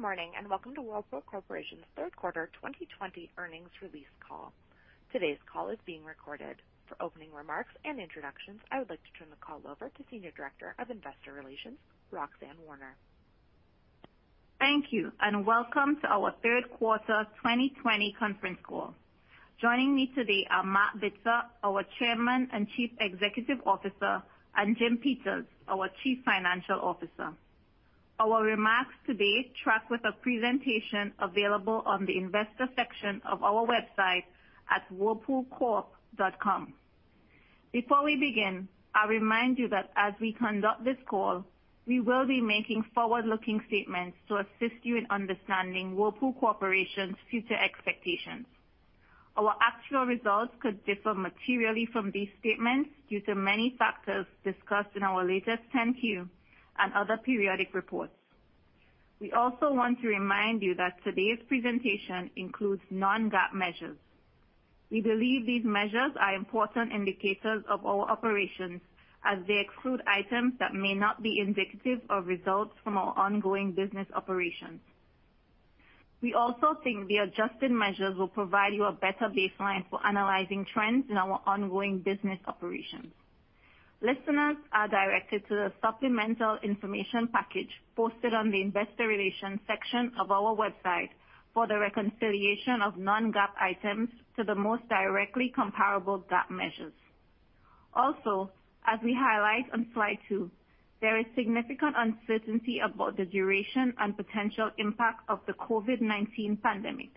Good morning, and welcome to Whirlpool Corporation's Third Quarter 2020 Earnings Release Call. Today's call is being recorded. For opening remarks and introductions, I would like to turn the call over to Senior Director of Investor Relations, Roxanne Warner. Thank you, and welcome to our third quarter 2020 conference call. Joining me today are Marc Bitzer, our Chairman and Chief Executive Officer, and Jim Peters, our Chief Financial Officer. Our remarks today track with a presentation available on the investor section of our website at whirlpoolcorp.com. Before we begin, I'll remind you that as we conduct this call, we will be making forward-looking statements to assist you in understanding Whirlpool Corporation's future expectations. Our actual results could differ materially from these statements due to many factors discussed in our latest 10-Q and other periodic reports. We also want to remind you that today's presentation includes non-GAAP measures. We believe these measures are important indicators of our operations as they exclude items that may not be indicative of results from our ongoing business operations. We also think the adjusted measures will provide you a better baseline for analyzing trends in our ongoing business operations. Listeners are directed to the supplemental information package posted on the investor relations section of our website for the reconciliation of non-GAAP items to the most directly comparable GAAP measures. Also, as we highlight on slide two, there is significant uncertainty about the duration and potential impact of the COVID-19 pandemic.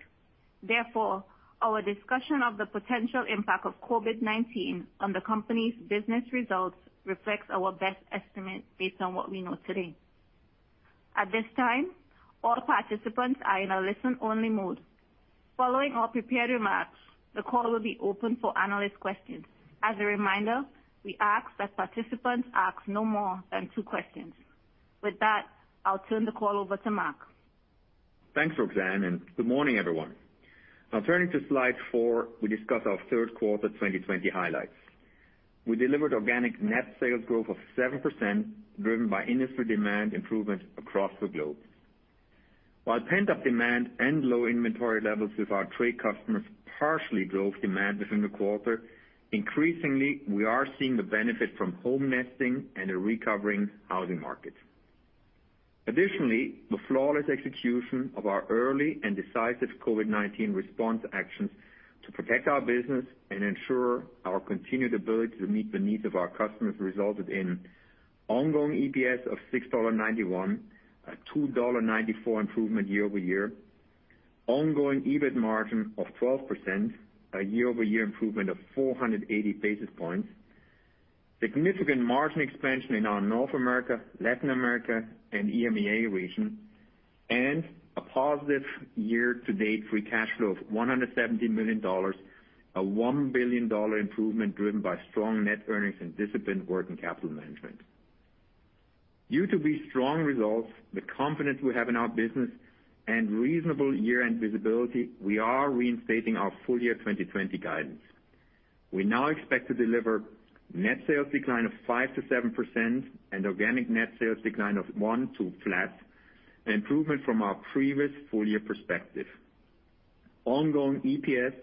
Therefore, our discussion of the potential impact of COVID-19 on the company's business results reflects our best estimate based on what we know today. At this time, all participants are in a listen-only mode. Following our prepared remarks, the call will be open for analyst questions. As a reminder, we ask that participants ask no more than two questions. With that, I'll turn the call over to Marc. Thanks, Roxanne, and good morning, everyone. Now turning to slide four, we discuss our third quarter 2020 highlights. We delivered organic net sales growth of 7%, driven by industry demand improvements across the globe. While pent-up demand and low inventory levels with our trade customers partially drove demand within the quarter, increasingly, we are seeing the benefit from home nesting and a recovering housing market. Additionally, the flawless execution of our early and decisive COVID-19 response actions to protect our business and ensure our continued ability to meet the needs of our customers resulted in ongoing EPS of $6.91, a $2.94 improvement year-over-year. Ongoing EBIT margin of 12%, a year-over-year improvement of 480 basis points. Significant margin expansion in our North America, Latin America, and EMEA region, and a positive year-to-date free cash flow of $117 million, a $1 billion improvement driven by strong net earnings and disciplined working capital management. Due to these strong results, the confidence we have in our business, and reasonable year-end visibility, we are reinstating our full year 2020 guidance. We now expect to deliver net sales decline of 5%-7% and organic net sales decline of 1% to flat, an improvement from our previous full year perspective. Ongoing EPS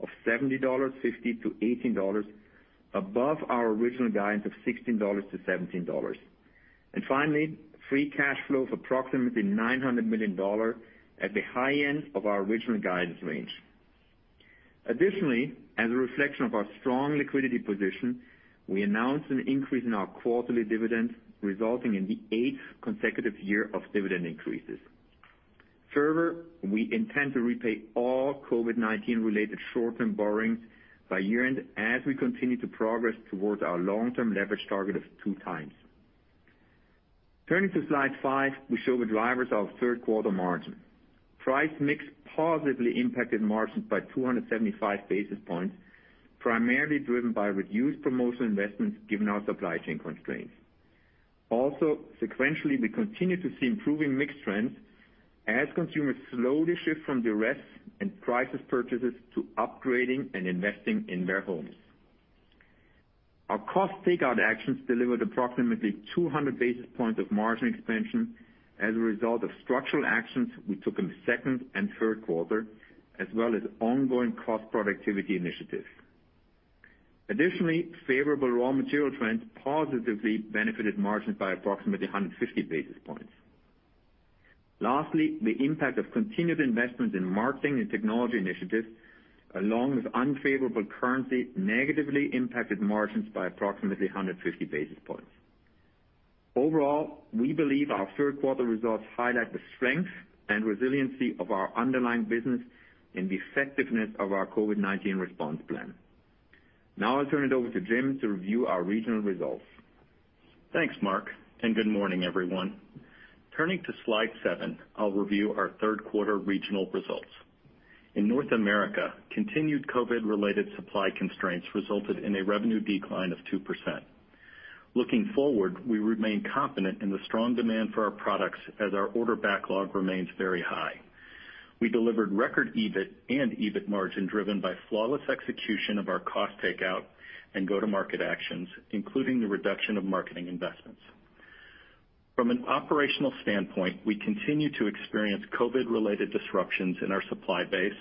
of $17.50-$18, above our original guidance of $16-$17. Finally, free cash flow of approximately $900 million at the high end of our original guidance range. As a reflection of our strong liquidity position, we announced an increase in our quarterly dividend, resulting in the eighth consecutive year of dividend increases. Further, we intend to repay all COVID-19 related short-term borrowings by year-end as we continue to progress towards our long-term leverage target of two times. Turning to slide five, we show the drivers of third quarter margin. Price mix positively impacted margins by 275 basis points, primarily driven by reduced promotional investments given our supply chain constraints. Sequentially, we continue to see improving mix trends as consumers slowly shift from duress and crisis purchases to upgrading and investing in their homes. Our cost takeout actions delivered approximately 200 basis points of margin expansion as a result of structural actions we took in the second and third quarter, as well as ongoing cost productivity initiatives. Favorable raw material trends positively benefited margins by approximately 150 basis points. Lastly, the impact of continued investments in marketing and technology initiatives, along with unfavorable currency, negatively impacted margins by approximately 150 basis points. Overall, we believe our third quarter results highlight the strength and resiliency of our underlying business and the effectiveness of our COVID-19 response plan. Now I'll turn it over to Jim to review our regional results. Thanks, Marc, and good morning, everyone. Turning to slide seven, I'll review our third quarter regional results. In North America, continued COVID-related supply constraints resulted in a revenue decline of 2%. Looking forward, we remain confident in the strong demand for our products as our order backlog remains very high. We delivered record EBIT and EBIT margin driven by flawless execution of our cost takeout and go-to-market actions, including the reduction of marketing investments. From an operational standpoint, we continue to experience COVID-related disruptions in our supply base,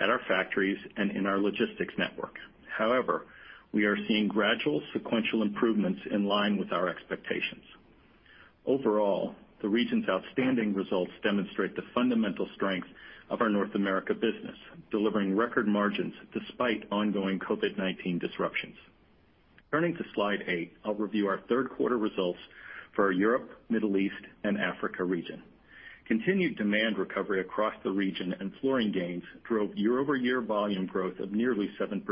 at our factories, and in our logistics network. However, we are seeing gradual sequential improvements in line with our expectations. Overall, the region's outstanding results demonstrate the fundamental strength of our North America business, delivering record margins despite ongoing COVID-19 disruptions. Turning to slide eight, I'll review our third quarter results for our Europe, Middle East, and Africa region. Continued demand recovery across the region and flooring gains drove year-over-year volume growth of nearly 7%,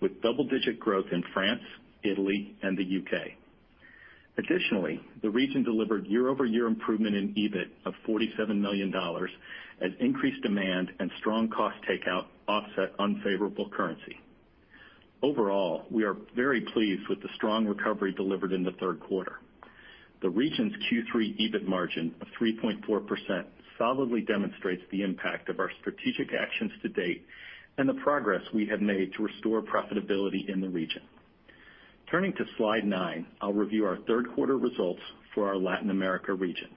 with double-digit growth in France, Italy, and the U.K. Additionally, the region delivered year-over-year improvement in EBIT of $47 million, as increased demand and strong cost takeout offset unfavorable currency. Overall, we are very pleased with the strong recovery delivered in the third quarter. The region's Q3 EBIT margin of 3.4% solidly demonstrates the impact of our strategic actions to date and the progress we have made to restore profitability in the region. Turning to slide nine, I'll review our third quarter results for our Latin America region.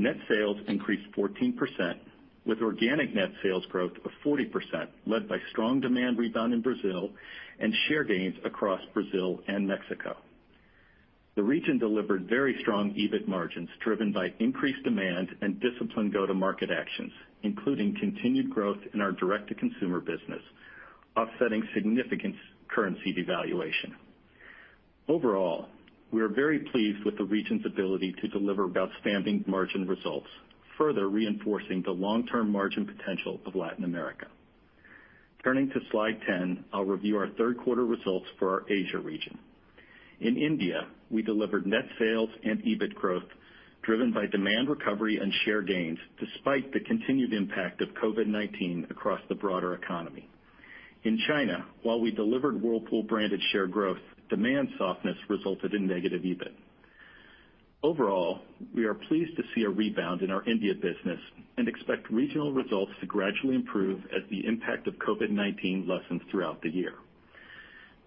Net sales increased 14%, with organic net sales growth of 40%, led by strong demand rebound in Brazil and share gains across Brazil and Mexico. The region delivered very strong EBIT margins, driven by increased demand and disciplined go-to-market actions, including continued growth in our direct-to-consumer business, offsetting significant currency devaluation. Overall, we are very pleased with the region's ability to deliver outstanding margin results, further reinforcing the long-term margin potential of Latin America. Turning to slide 10, I'll review our third quarter results for our Asia region. In India, we delivered net sales and EBIT growth driven by demand recovery and share gains, despite the continued impact of COVID-19 across the broader economy. In China, while we delivered Whirlpool-branded share growth, demand softness resulted in negative EBIT. Overall, we are pleased to see a rebound in our India business and expect regional results to gradually improve as the impact of COVID-19 lessens throughout the year.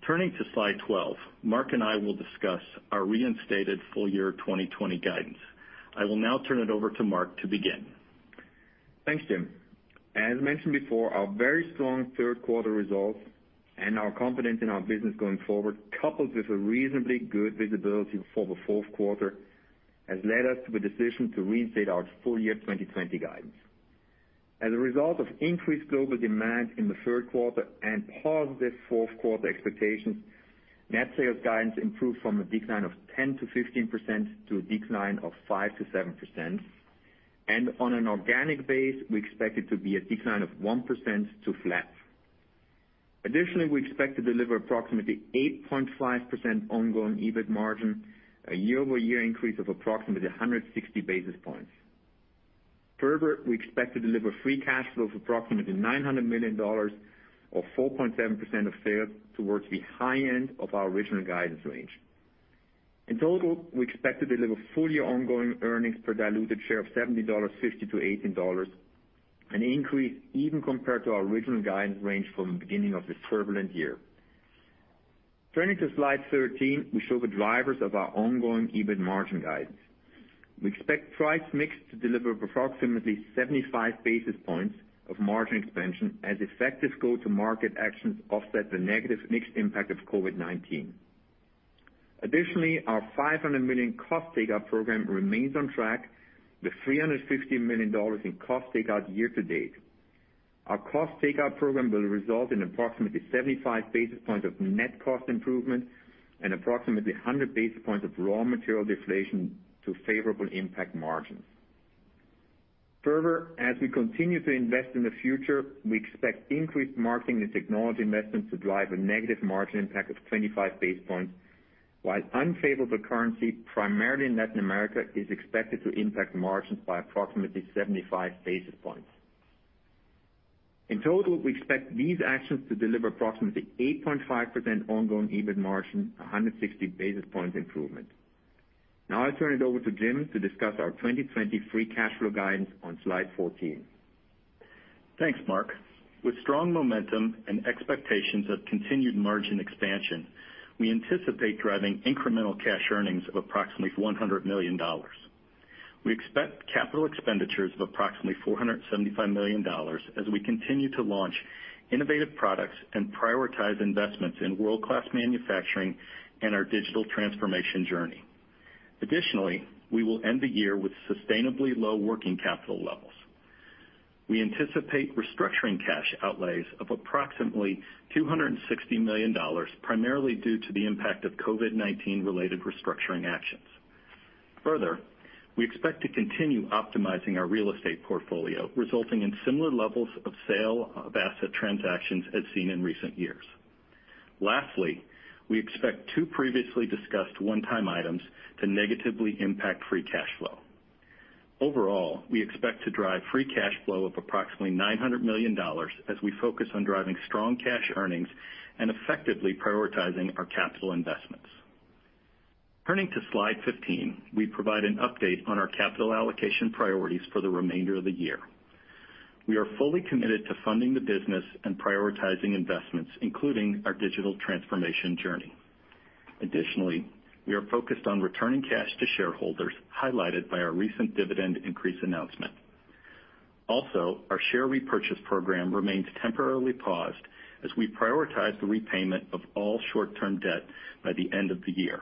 Turning to slide 12, Marc and I will discuss our reinstated full year 2020 guidance. I will now turn it over to Marc to begin. Thanks, Jim. As mentioned before, our very strong third quarter results and our confidence in our business going forward, coupled with a reasonably good visibility for the fourth quarter, has led us to a decision to reinstate our full year 2020 guidance. As a result of increased global demand in the third quarter and positive fourth quarter expectations, net sales guidance improved from a decline of 10%-15%, to a decline of 5%-7%. On an organic base, we expect it to be a decline of 1% to flat. Additionally, we expect to deliver approximately 8.5% ongoing EBIT margin, a year-over-year increase of approximately 160 basis points. Further, we expect to deliver free cash flow of approximately $900 million or 4.7% of sales towards the high end of our original guidance range. In total, we expect to deliver full year ongoing earnings per diluted share of $17.50-$18, an increase even compared to our original guidance range from the beginning of this turbulent year. Turning to slide 13, we show the drivers of our ongoing EBIT margin guidance. We expect price mix to deliver approximately 75 basis points of margin expansion as effective go-to-market actions offset the negative mixed impact of COVID-19. Additionally, our $500 million cost takeout program remains on track, with $350 million in cost takeout year to date. Our cost takeout program will result in approximately 75 basis points of net cost improvement and approximately 100 basis points of raw material deflation to favorably impact margins. Further, as we continue to invest in the future, we expect increased marketing and technology investments to drive a negative margin impact of 25 basis points, while unfavorable currency, primarily in Latin America, is expected to impact margins by approximately 75 basis points. In total, we expect these actions to deliver approximately 8.5% ongoing EBIT margin, 160 basis points improvement. Now I turn it over to Jim to discuss our 2020 free cash flow guidance on slide 14. Thanks, Marc. With strong momentum and expectations of continued margin expansion, we anticipate driving incremental cash earnings of approximately $100 million. We expect capital expenditures of approximately $475 million as we continue to launch innovative products and prioritize investments in world-class manufacturing and our digital transformation journey. Additionally, we will end the year with sustainably low working capital levels. We anticipate restructuring cash outlays of approximately $260 million, primarily due to the impact of COVID-19 related restructuring actions. Further, we expect to continue optimizing our real estate portfolio, resulting in similar levels of sale of asset transactions as seen in recent years. Lastly, we expect two previously discussed one-time items to negatively impact free cash flow. Overall, we expect to drive free cash flow of approximately $900 million as we focus on driving strong cash earnings and effectively prioritizing our capital investments. Turning to slide 15, we provide an update on our capital allocation priorities for the remainder of the year. We are fully committed to funding the business and prioritizing investments, including our digital transformation journey. We are focused on returning cash to shareholders, highlighted by our recent dividend increase announcement. Our share repurchase program remains temporarily paused as we prioritize the repayment of all short-term debt by the end of the year.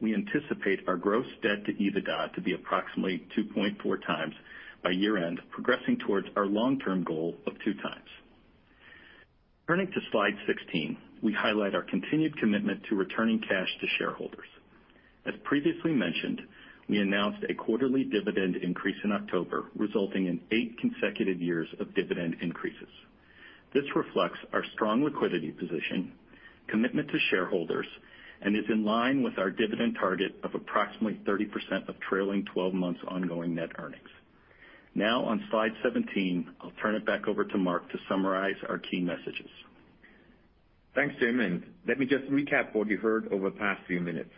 We anticipate our gross debt to EBITDA to be approximately 2.4x by year-end, progressing towards our long-term goal of two times. Turning to slide 16, we highlight our continued commitment to returning cash to shareholders. As previously mentioned, we announced a quarterly dividend increase in October, resulting in eight consecutive years of dividend increases. This reflects our strong liquidity position, commitment to shareholders, and is in line with our dividend target of approximately 30% of trailing 12 months ongoing net earnings. Now, on slide 17, I'll turn it back over to Marc to summarize our key messages. Thanks, Jim. Let me just recap what you heard over the past few minutes.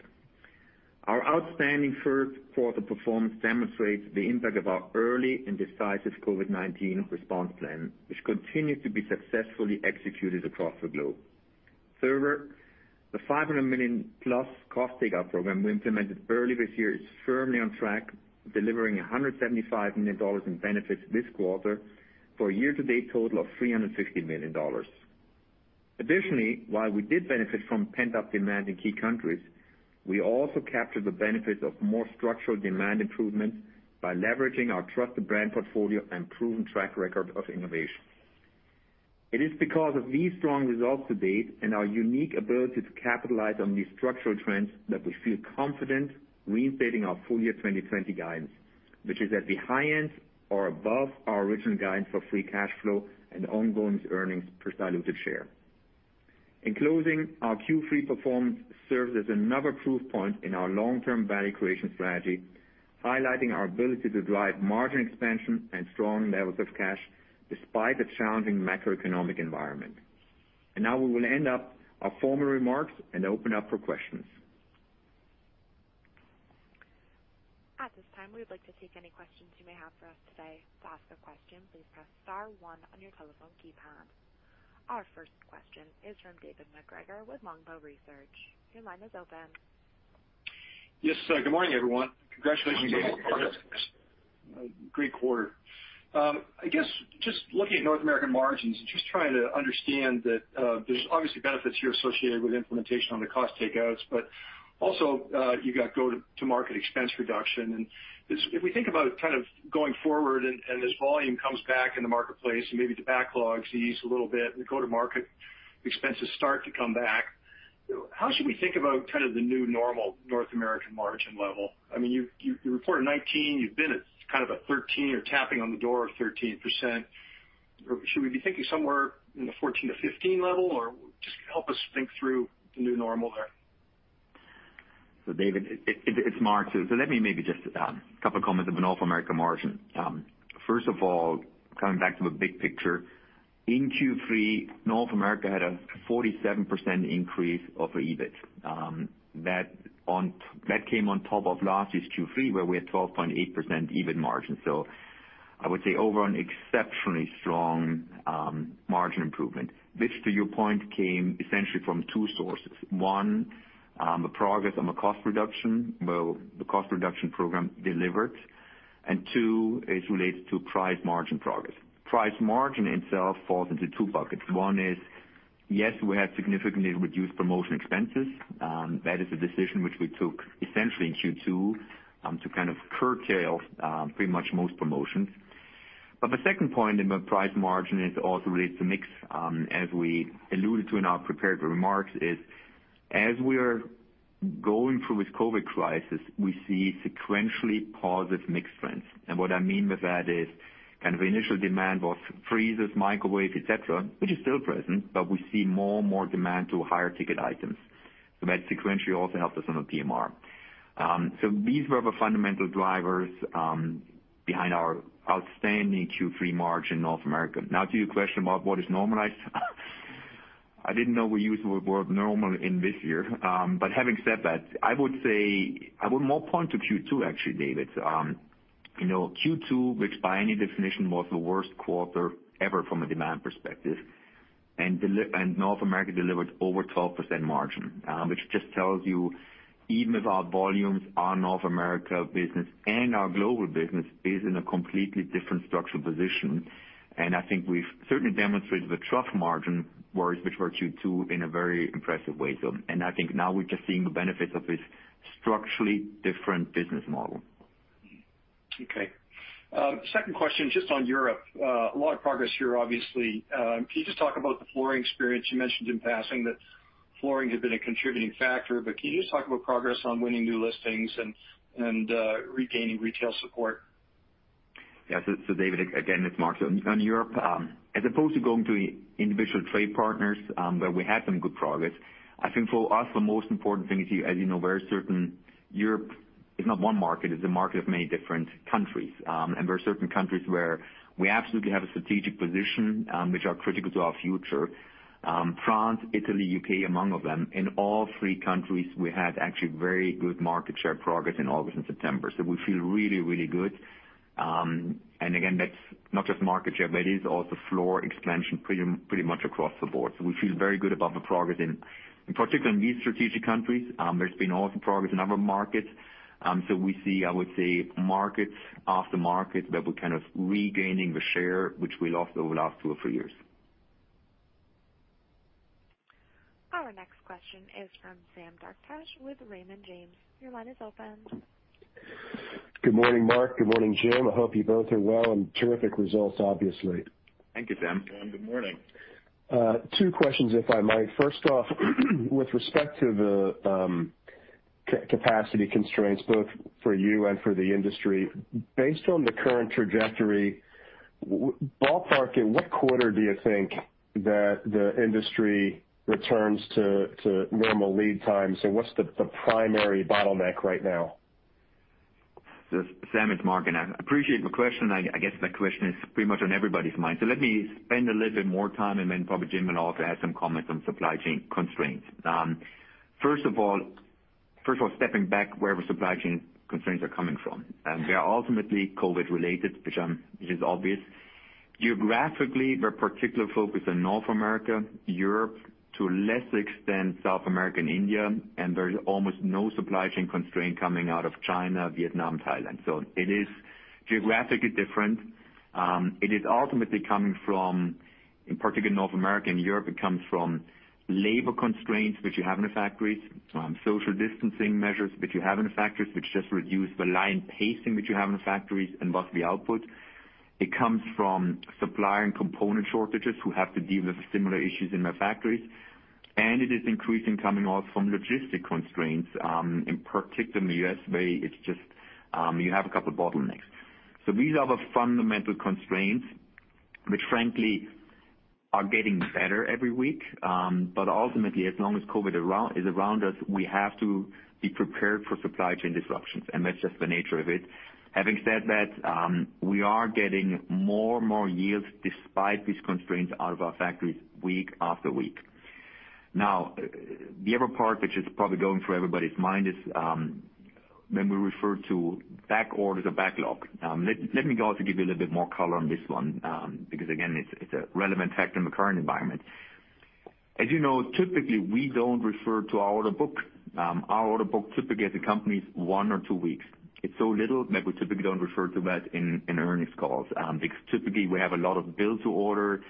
Our outstanding first quarter performance demonstrates the impact of our early and decisive COVID-19 response plan, which continues to be successfully executed across the globe. Further, the $500+ million cost takeout program we implemented early this year is firmly on track, delivering $175 million in benefits this quarter for a year-to-date total of $350 million. Additionally, while we did benefit from pent-up demand in key countries, we also captured the benefits of more structural demand improvements by leveraging our trusted brand portfolio and proven track record of innovation. It is because of these strong results to date and our unique ability to capitalize on these structural trends that we feel confident reinstating our full-year 2020 guidance, which is at the high end or above our original guidance for free cash flow and ongoing earnings per diluted share. In closing, our Q3 performance serves as another proof point in our long-term value creation strategy, highlighting our ability to drive margin expansion and strong levels of cash despite the challenging macroeconomic environment. Now we will end up our formal remarks and open up for questions. At this time, we would like to take any questions you may have for us today. To ask a question, please press star one on your telephone keypad. Our first question is from David MacGregor with Longbow Research. Your line is open. Yes. Good morning, everyone. Congratulations on a great quarter. I guess, just looking at North American margins and just trying to understand that there's obviously benefits here associated with implementation on the cost takeouts, but also, you got go-to-market expense reduction. If we think about going forward and this volume comes back in the marketplace and maybe the backlogs ease a little bit and the go-to-market expenses start to come back, how should we think about the new normal North American margin level? You reported 19%, you've been at a 13% or tapping on the door of 13%. Should we be thinking somewhere in the 14%-15% level, or just help us think through the new normal there? David, it's Marc. Let me maybe just a couple comments on the North America margin. First of all, coming back to the big picture. In Q3, North America had a 47% increase of EBIT. That came on top of last year's Q3, where we had 12.8% EBIT margin. I would say over an exceptionally strong margin improvement, which to your point, came essentially from two sources. One, the progress on the cost reduction. Well, the cost reduction program delivered. Two is related to price margin progress. Price margin itself falls into two buckets. One is, yes, we have significantly reduced promotional expenses. That is a decision which we took essentially in Q2 to curtail pretty much most promotions. The second point in the price margin is also related to mix. As we alluded to in our prepared remarks as we are going through this COVID crisis, we see sequentially positive mix trends. What I mean with that is initial demand was freezers, microwaves, et cetera, which is still present, but we see more and more demand to higher-ticket items. That sequentially also helps us on the PMR. These were the fundamental drivers behind our outstanding Q3 margin in North America. To your question about what is normalized, I didn't know we used the word normal in this year. Having said that, I would more point to Q2 actually, David. Q2, which by any definition was the worst quarter ever from a demand perspective. North America delivered over 12% margin, which just tells you even with our volumes, our North America business and our global business is in a completely different structural position. I think we've certainly demonstrated the trough margin worries, which were Q2 in a very impressive way. I think now we're just seeing the benefits of this structurally different business model. Okay. Second question, just on Europe. A lot of progress here, obviously. Can you just talk about the flooring experience? You mentioned in passing that flooring had been a contributing factor, but can you just talk about progress on winning new listings and regaining retail support? Yeah. David, again, it's Marc. On Europe, as opposed to going to individual trade partners, where we had some good progress, I think for us, the most important thing is, as you know very certain, Europe. It's not one market, it's a market of many different countries. There are certain countries where we absolutely have a strategic position, which are critical to our future. France, Italy, U.K., among of them. In all three countries, we had actually very good market share progress in August and September. We feel really, really good. Again, that's not just market share, that is also floor expansion pretty much across the board. We feel very good about the progress in particular in these strategic countries. There's been also progress in other markets. We see, I would say, markets after market that we're kind of regaining the share which we lost over the last two or three years. Our next question is from Sam Darkatsh with Raymond James. Your line is open. Good morning, Marc. Good morning, Jim. I hope you both are well, and terrific results, obviously. Thank you, Sam. Good morning. Two questions, if I might. First off, with respect to the capacity constraints both for you and for the industry, based on the current trajectory, ballpark it, what quarter do you think that the industry returns to normal lead times? What's the primary bottleneck right now? Sam, it's Marc, and I appreciate the question. I guess that question is pretty much on everybody's mind. Let me spend a little bit more time, and then probably Jim will also add some comments on supply chain constraints. First of all, stepping back where the supply chain constraints are coming from. They are ultimately COVID related, which is obvious. Geographically, we're particularly focused on North America, Europe, to less extent South America and India, and there's almost no supply chain constraint coming out of China, Vietnam, Thailand. It is geographically different. It is ultimately coming from, in particular North America and Europe, it comes from labor constraints, which you have in the factories, social distancing measures, which you have in the factories, which just reduce the line pacing that you have in the factories and thus the output. It comes from supplier and component shortages who have to deal with similar issues in their factories. It is increasingly coming also from logistic constraints. In particular in the U.S., where it's just you have a couple of bottlenecks. These are the fundamental constraints, which frankly are getting better every week. Ultimately, as long as COVID is around us, we have to be prepared for supply chain disruptions, and that's just the nature of it. Having said that, we are getting more and more yields despite these constraints out of our factories week after week. The other part, which is probably going through everybody's mind, is when we refer to back orders or backlog. Let me also give you a little bit more color on this one, because again, it's a relevant factor in the current environment. As you know, typically, we don't refer to our order book. Our order book typically as a company is one or two weeks. It's so little that we typically don't refer to that in earnings calls, because typically we have a lot of build to order,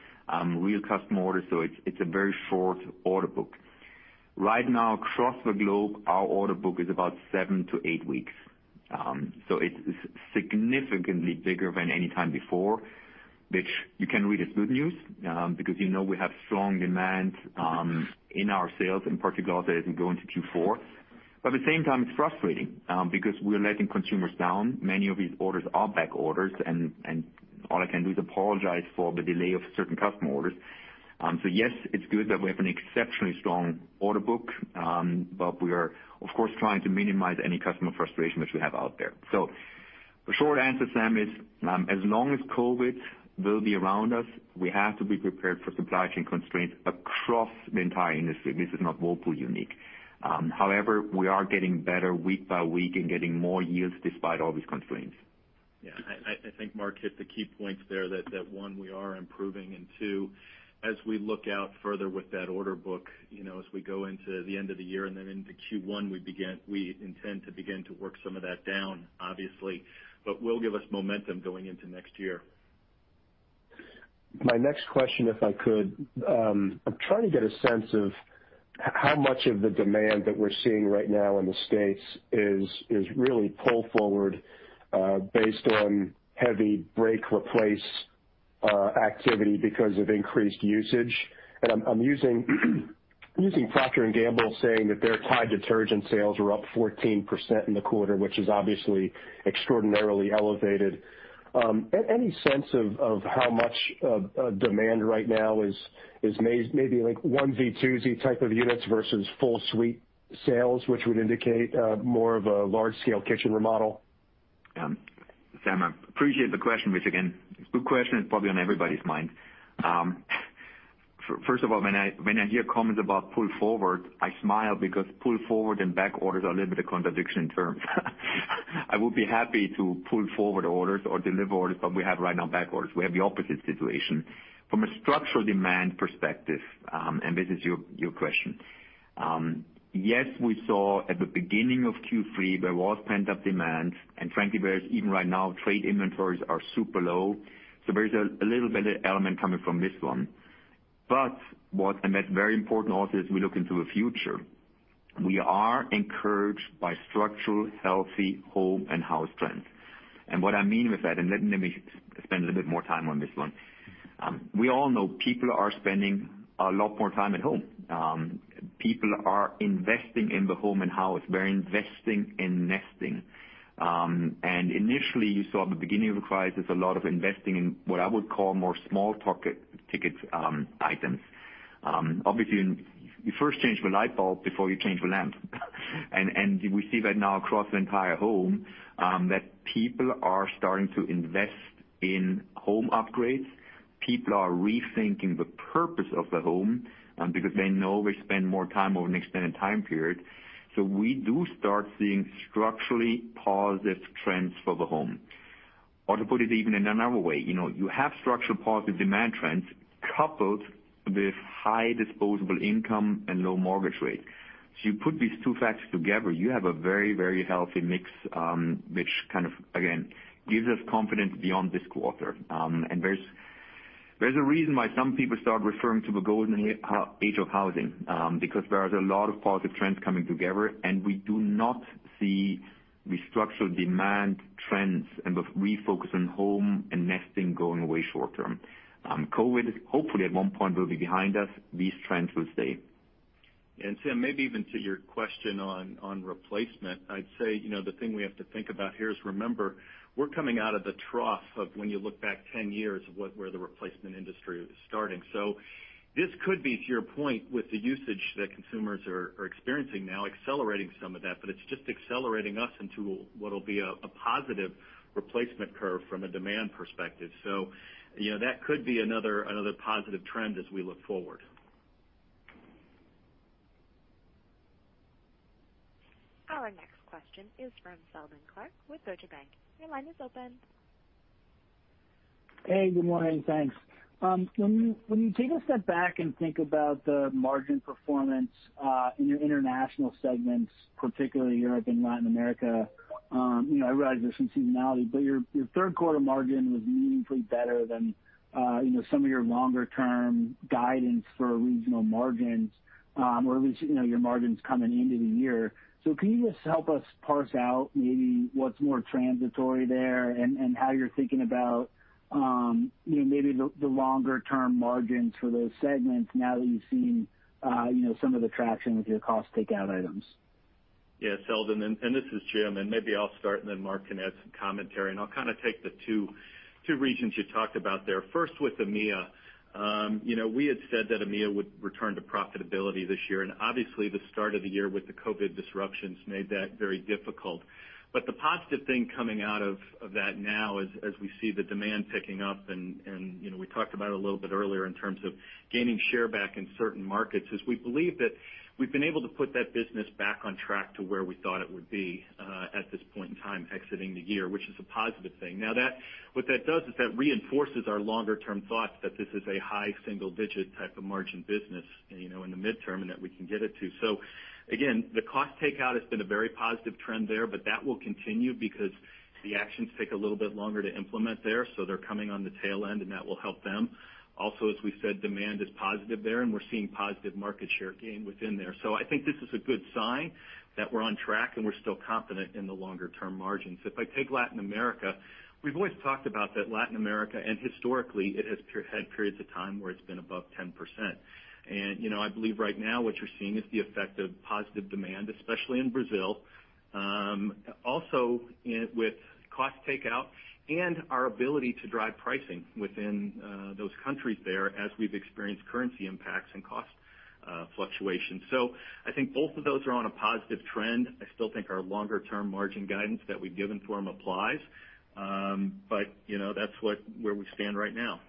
real customer orders, so it's a very short order book. Right now across the globe, our order book is about seven to eight weeks. It's significantly bigger than any time before, which you can read as good news, because you know we have strong demand in our sales, in particular as we go into Q4. At the same time, it's frustrating, because we're letting consumers down. Many of these orders are back orders, and all I can do is apologize for the delay of certain customer orders. Yes, it's good that we have an exceptionally strong order book, but we are of course, trying to minimize any customer frustration which we have out there. The short answer, Sam, is as long as COVID will be around us, we have to be prepared for supply chain constraints across the entire industry. This is not Whirlpool unique. However, we are getting better week by week and getting more yields despite all these constraints. Yeah, I think Marc hit the key points there that, one, we are improving, and two, as we look out further with that order book, as we go into the end of the year and then into Q1, we intend to begin to work some of that down, obviously, but will give us momentum going into next year. My next question, if I could. I'm trying to get a sense of how much of the demand that we're seeing right now in the U.S. is really pull forward based on heavy break replace activity because of increased usage. I'm using Procter & Gamble saying that their Tide detergent sales are up 14% in the quarter, which is obviously extraordinarily elevated. Any sense of how much of demand right now is maybe like 1Z, 2Z type of units versus full suite sales, which would indicate more of a large-scale kitchen remodel? Sam, I appreciate the question, which again, good question. It's probably on everybody's mind. First of all, when I hear comments about pull forward, I smile because pull forward and back orders are a little bit of contradiction in terms. I would be happy to pull forward orders or deliver orders, we have right now back orders. We have the opposite situation. From a structural demand perspective, this is your question. Yes, we saw at the beginning of Q3, there was pent-up demand, frankly, even right now, trade inventories are super low. There is a little bit of element coming from this one. What, that's very important also as we look into the future, we are encouraged by structural healthy home and house trends. What I mean with that, let me spend a little bit more time on this one. We all know people are spending a lot more time at home. People are investing in the home and house. They're investing in nesting. Initially, you saw at the beginning of the crisis, a lot of investing in what I would call more small-ticket items. Obviously, you first change the light bulb before you change the lamp. We see that now across the entire home, that people are starting to invest in home upgrades. People are rethinking the purpose of the home, because they know we spend more time over an extended time period. We do start seeing structurally positive trends for the home. To put it even in another way, you have structural positive demand trends coupled with high disposable income and low mortgage rates. You put these two factors together, you have a very, very healthy mix, which kind of, again, gives us confidence beyond this quarter. There's a reason why some people start referring to the golden age of housing, because there is a lot of positive trends coming together, and we do not see the structural demand trends and the refocus on home and nesting going away short-term. COVID, hopefully at one point will be behind us. These trends will stay. Sam, maybe even to your question on replacement, I'd say, the thing we have to think about here is remember, we're coming out of the trough of when you look back 10 years of where the replacement industry was starting. This could be, to your point, with the usage that consumers are experiencing now, accelerating some of that, but it's just accelerating us into what'll be a positive replacement curve from a demand perspective. That could be another positive trend as we look forward. Our next question is from Seldon Clarke with Deutsche Bank. Your line is open. Hey, good morning. Thanks. When you take a step back and think about the margin performance, in your international segments, particularly Europe and Latin America, I realize there's some seasonality, but your third quarter margin was meaningfully better than some of your longer-term guidance for regional margins, or at least your margins coming into the year. Can you just help us parse out maybe what's more transitory there and how you're thinking about maybe the longer-term margins for those segments now that you've seen some of the traction with your cost takeout items? Yeah, Seldon, and this is Jim, and maybe I'll start and then Marc can add some commentary, and I'll kind of take the two regions you talked about there. First with EMEA. We had said that EMEA would return to profitability this year. Obviously the start of the year with the COVID disruptions made that very difficult. The positive thing coming out of that now is as we see the demand picking up and we talked about it a little bit earlier in terms of gaining share back in certain markets, is we believe that we've been able to put that business back on track to where we thought it would be, at this point in time exiting the year, which is a positive thing. What that does is that reinforces our longer-term thoughts that this is a high single-digit type of margin business in the midterm and that we can get it to. Again, the cost takeout has been a very positive trend there, but that will continue because the actions take a little bit longer to implement there. They're coming on the tail end and that will help them. As we said, demand is positive there and we're seeing positive market share gain within there. I think this is a good sign that we're on track and we're still confident in the longer-term margins. If I take Latin America, we've always talked about that Latin America, and historically it has had periods of time where it's been above 10%. I believe right now what you're seeing is the effect of positive demand, especially in Brazil. Also with cost takeout and our ability to drive pricing within those countries there as we've experienced currency impacts and cost fluctuation. I think both of those are on a positive trend. I still think our longer-term margin guidance that we've given for them applies. That's where we stand right now.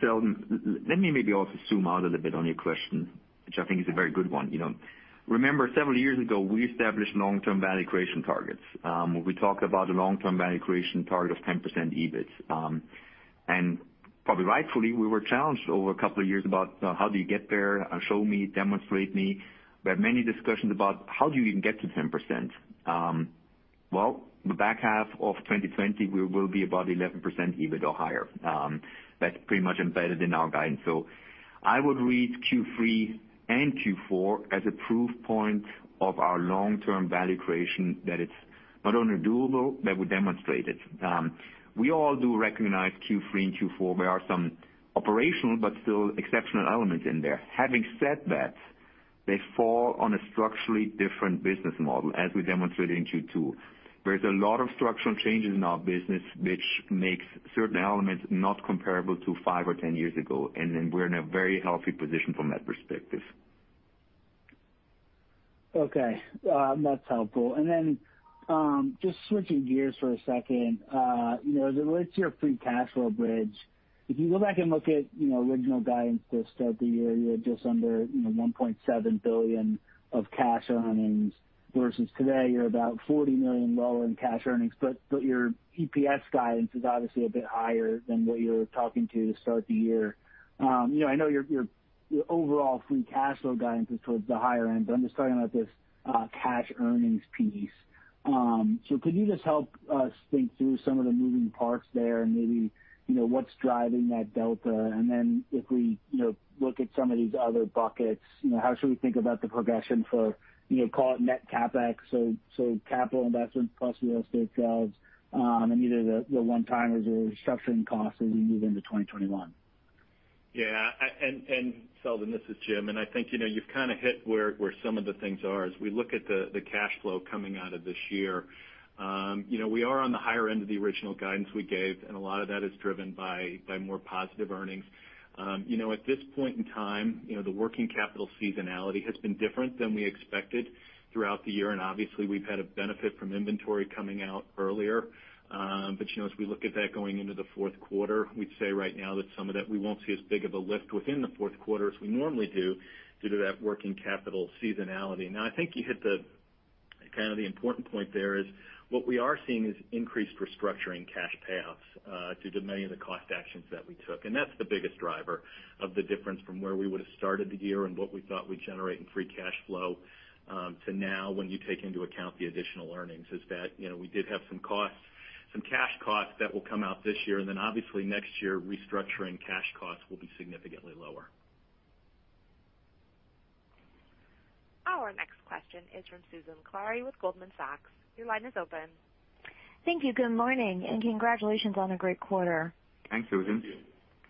Seldon, let me maybe also zoom out a little bit on your question, which I think is a very good one. Remember several years ago we established long-term value creation targets. We talked about a long-term value creation target of 10% EBIT. Probably rightfully, we were challenged over a couple of years about how do you get there? Show me, demonstrate me. We had many discussions about how do you even get to 10%? The back half of 2020, we will be about 11% EBIT or higher. That's pretty much embedded in our guidance. I would read Q3 and Q4 as a proof point of our long-term value creation that it's not only doable, but we demonstrate it. We all do recognize Q3 and Q4, there are some operational but still exceptional elements in there. Having said that, they fall on a structurally different business model as we demonstrated in Q2. There is a lot of structural changes in our business which makes certain elements not comparable to five or 10 years ago. We're in a very healthy position from that perspective. Okay. That's helpful. Just switching gears for a second. As it relates to your free cash flow bridge, if you go back and look at original guidance to start the year, you had just under $1.7 billion of cash earnings versus today you're about $40 million lower in cash earnings, but your EPS guidance is obviously a bit higher than what you were talking to start the year. I know your overall free cash flow guidance is towards the higher end, but I'm just talking about this cash earnings piece. Could you just help us think through some of the moving parts there and maybe what's driving that delta? If we look at some of these other buckets, how should we think about the progression for call it net CapEx, so capital investments plus real estate sales, and either the one-timers or restructuring costs as we move into 2021? Yeah. Seldon, this is Jim, and I think you've kind of hit where some of the things are. As we look at the cash flow coming out of this year, we are on the higher end of the original guidance we gave, and a lot of that is driven by more positive earnings. At this point in time, the working capital seasonality has been different than we expected throughout the year, and obviously we've had a benefit from inventory coming out earlier. As we look at that going into the fourth quarter, we'd say right now that some of that we won't see as big of a lift within the fourth quarter as we normally do due to that working capital seasonality. I think you hit the important point there is what we are seeing is increased restructuring cash payoffs due to many of the cost actions that we took. That's the biggest driver of the difference from where we would've started the year and what we thought we'd generate in free cash flow to now when you take into account the additional earnings, is that, we did have some cash costs that will come out this year. Obviously next year, restructuring cash costs will be significantly lower. Our next question is from Susan Maklari with Goldman Sachs. Your line is open. Thank you. Good morning, and congratulations on a great quarter. Thanks, Susan. Thank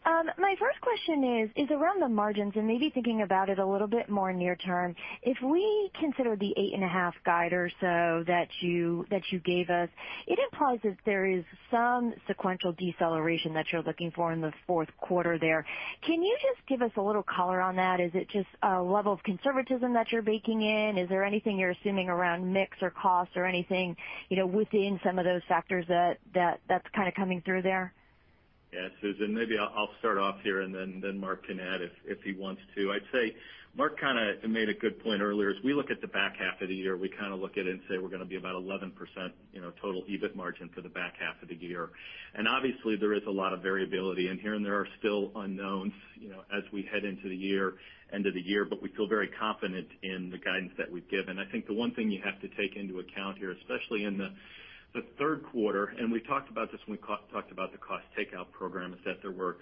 you. My first question is around the margins and maybe thinking about it a little bit more near term. If we consider the 8.5% guide or so that you gave us, it implies that there is some sequential deceleration that you're looking for in the Q4 there. Can you just give us a little color on that? Is it just a level of conservatism that you're baking in? Is there anything you're assuming around mix or cost or anything within some of those factors that's kind of coming through there? Yeah, Susan, maybe I'll start off here, and then Marc can add if he wants to. I'd say Marc kind of made a good point earlier. As we look at the back half of the year, we kind of look at it and say we're going to be about 11% total EBIT margin for the back half of the year. Obviously, there is a lot of variability in here, and there are still unknowns as we head into the end of the year, but we feel very confident in the guidance that we've given. I think the one thing you have to take into account here, especially in the third quarter, and we talked about this when we talked about the cost takeout program, is that there were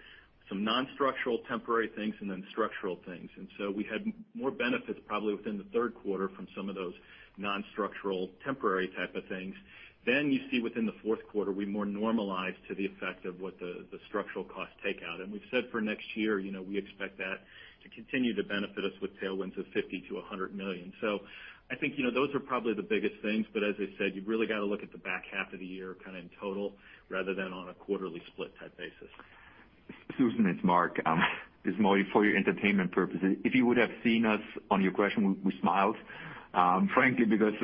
some non-structural temporary things and then structural things. We had more benefits probably within the third quarter from some of those non-structural temporary type of things. You see within the fourth quarter, we more normalize to the effect of what the structural cost takeout. We've said for next year, we expect that to continue to benefit us with tailwinds of $50 million-$100 million. I think those are probably the biggest things, but as I said, you've really got to look at the back half of the year kind of in total, rather than on a quarterly split type basis. Susan, it's Marc. This is more for your entertainment purposes. If you would have seen us on your question, we smiled, frankly because,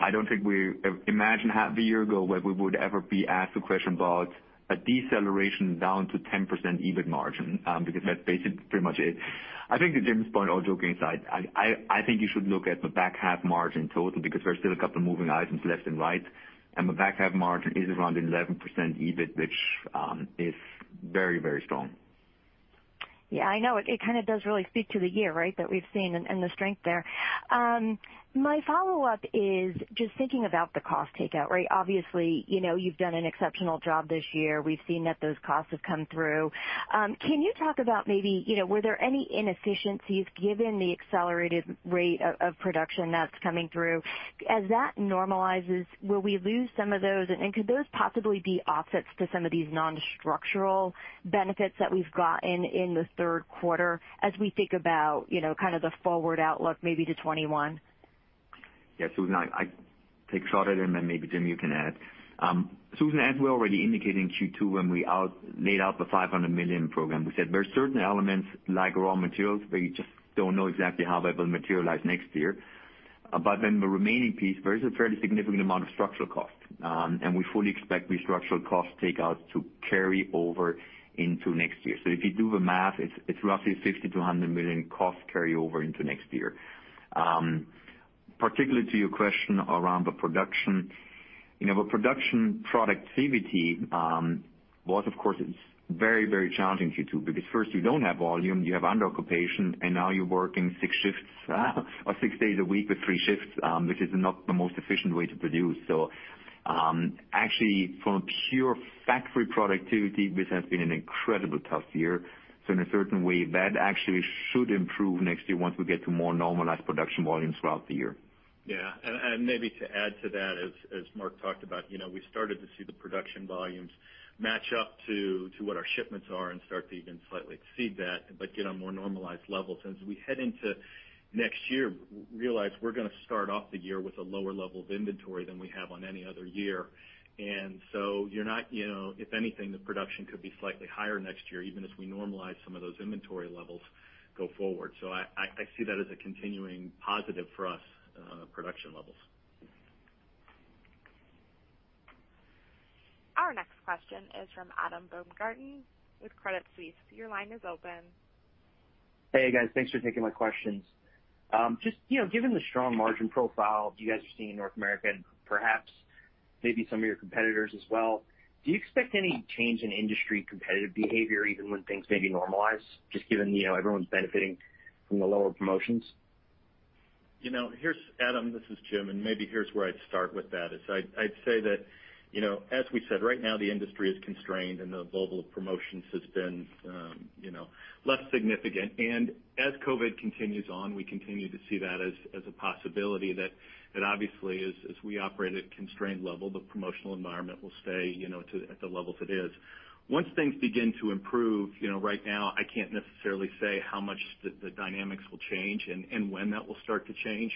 I don't think we imagined half a year ago where we would ever be asked a question about a deceleration down to 10% EBIT margin, because that's basically pretty much it. I think to Jim's point, all joking aside, I think you should look at the back half margin total because there's still a couple moving items left and right, and the back half margin is around 11% EBIT, which is very strong. Yeah, I know. It kind of does really speak to the year, right, that we've seen and the strength there. My follow-up is just thinking about the cost takeout. Obviously, you've done an exceptional job this year. We've seen that those costs have come through. Can you talk about maybe, were there any inefficiencies given the accelerated rate of production that's coming through? As that normalizes, will we lose some of those, and could those possibly be offsets to some of these non-structural benefits that we've gotten in the third quarter as we think about kind of the forward outlook maybe to 2021? Yeah, Susan, I take a shot at it, and then maybe, Jim, you can add. Susan, as we already indicated in Q2 when we laid out the $500 million program, we said there are certain elements like raw materials where you just don't know exactly how that will materialize next year. The remaining piece, there is a fairly significant amount of structural cost, and we fully expect the structural cost takeout to carry over into next year. If you do the math, it's roughly $50 million-$100 million cost carryover into next year. Particularly to your question around the production. Our production productivity was, of course, very challenging in Q2 because first you don't have volume, you have under-occupation, and now you're working six shifts or six days a week with three shifts, which is not the most efficient way to produce. Actually from a pure factory productivity, this has been an incredibly tough year. In a certain way, that actually should improve next year once we get to more normalized production volumes throughout the year. Yeah. Maybe to add to that, as Marc talked about, we started to see the production volumes match up to what our shipments are and start to even slightly exceed that but get on more normalized levels. As we head into next year, realize we’re going to start off the year with a lower level of inventory than we have on any other year. If anything, the production could be slightly higher next year, even as we normalize some of those inventory levels go forward. I see that as a continuing positive for us, production levels. Our next question is from Adam Baumgarten with Credit Suisse. Your line is open. Hey, guys. Thanks for taking my questions. Just given the strong margin profile you guys are seeing in North America, and perhaps maybe some of your competitors as well, do you expect any change in industry competitive behavior even when things maybe normalize, just given everyone's benefiting from the lower promotions? Adam, this is Jim, maybe here's where I'd start with that, is I'd say that as we said, right now the industry is constrained and the global promotions has been less significant. As COVID continues on, we continue to see that as a possibility that obviously, as we operate at a constrained level, the promotional environment will stay at the level it is. Once things begin to improve, right now, I can't necessarily say how much the dynamics will change and when that will start to change.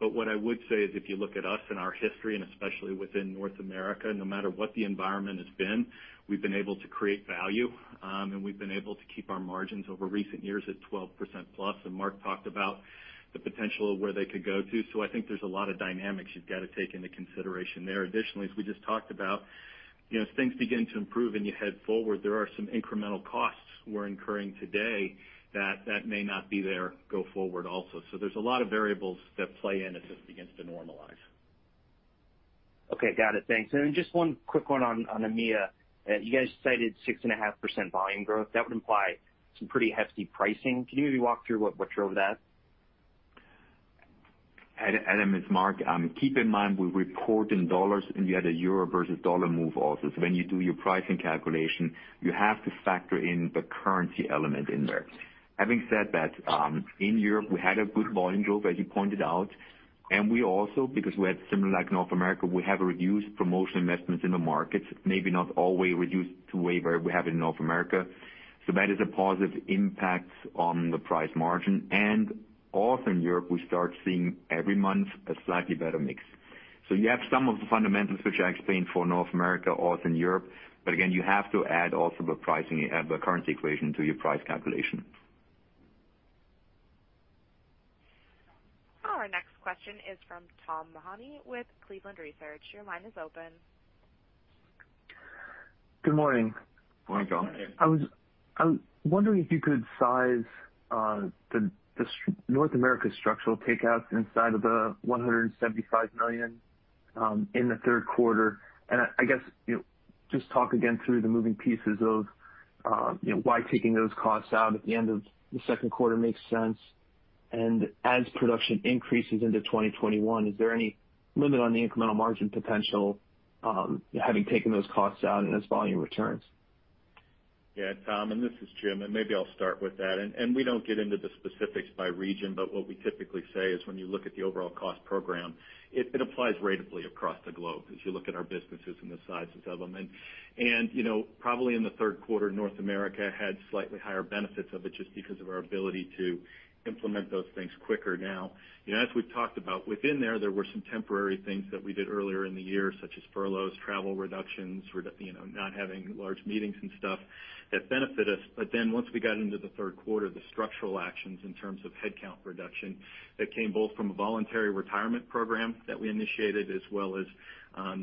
What I would say is, if you look at us and our history, and especially within North America, no matter what the environment has been, we've been able to create value, and we've been able to keep our margins over recent years at 12%+. Marc talked about the potential of where they could go to. I think there's a lot of dynamics you've got to take into consideration there. Additionally, as we just talked about, as things begin to improve and you head forward, there are some incremental costs we're incurring today that may not be there go forward also. There's a lot of variables that play in as this begins to normalize. Okay. Got it. Thanks. Just one quick one on EMEA. You guys cited 6.5% volume growth. That would imply some pretty hefty pricing. Can you maybe walk through what drove that? Adam, it's Marc. Keep in mind, we report in dollars, you had a euro versus dollar move also. When you do your pricing calculation, you have to factor in the currency element in there. Having said that, in Europe, we had a good volume growth, as you pointed out, we also, because we had similar like North America, we have reduced promotional investments in the markets. Maybe not all we reduced to where we have in North America. That is a positive impact on the price margin. Also in Europe, we start seeing every month a slightly better mix. You have some of the fundamentals which I explained for North America, also in Europe. Again, you have to add also the currency equation to your price calculation. Our next question is from Tom Mahoney with Cleveland Research. Your line is open. Good morning. Morning, Tom. I was wondering if you could size the North America structural takeouts inside of the $175 million in the third quarter. I guess, just talk again through the moving pieces of why taking those costs out at the end of the second quarter makes sense. As production increases into 2021, is there any limit on the incremental margin potential, having taken those costs out and as volume returns? Yeah, Tom. This is Jim, and maybe I'll start with that. We don't get into the specifics by region, but what we typically say is when you look at the overall cost program, it applies ratably across the globe as you look at our businesses and the sizes of them. Probably in the third quarter, North America had slightly higher benefits of it just because of our ability to implement those things quicker now. As we've talked about, within there were some temporary things that we did earlier in the year, such as furloughs, travel reductions, not having large meetings and stuff that benefit us. Once we got into the third quarter, the structural actions in terms of headcount reduction, that came both from a voluntary retirement program that we initiated as well as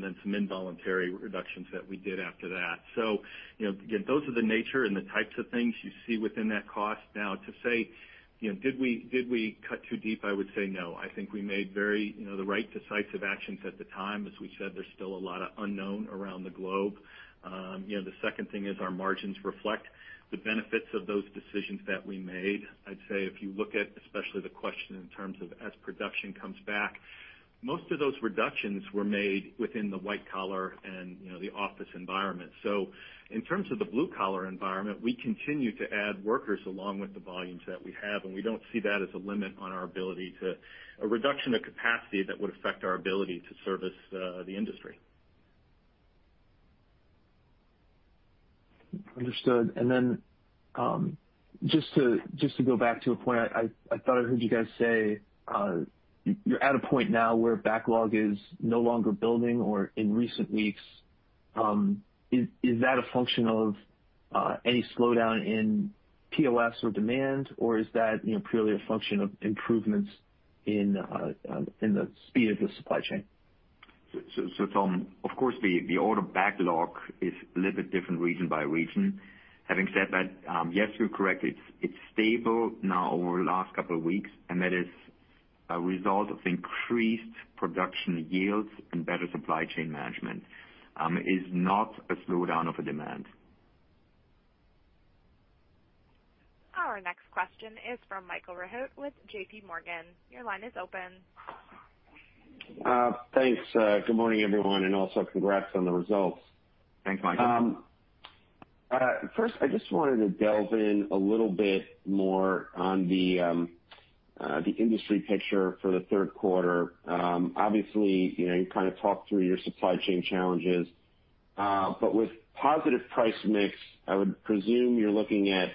then some involuntary reductions that we did after that. Those are the nature and the types of things you see within that cost. Now, to say, did we cut too deep? I would say, no. I think we made the right decisive actions at the time. As we said, there's still a lot of unknown around the globe. The second thing is our margins reflect the benefits of those decisions that we made. I'd say if you look at, especially the question in terms of as production comes back, most of those reductions were made within the white-collar and the office environment. In terms of the blue-collar environment, we continue to add workers along with the volumes that we have, and we don't see that as a limit on our ability to-- a reduction of capacity that would affect our ability to service the industry. Understood. Just to go back to a point, I thought I heard you guys say, you're at a point now where backlog is no longer building or in recent weeks. Is that a function of any slowdown in POS or demand, or is that purely a function of improvements in the speed of the supply chain? Tom, of course, the order backlog is a little bit different region by region. Having said that, yes, you're correct. It's stable now over the last couple of weeks, and that is a result of increased production yields and better supply chain management. It is not a slowdown of a demand. Our next question is from Michael Rehaut with JPMorgan. Your line is open. Thanks. Good morning, everyone, and also congrats on the results. Thanks, Michael. First, I just wanted to delve in a little bit more on the industry picture for the third quarter. Obviously, you kind of talked through your supply chain challenges. With positive price mix, I would presume you're looking at